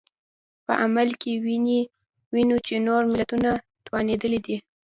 په عمل کې وینو چې نور ملتونه توانېدلي دي.